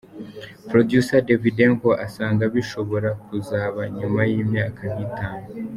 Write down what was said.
Producer Davydanko asanga bishobora kuzaba nyuma y’imyaka nk’itanu ;.